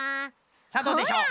さあどうでしょう？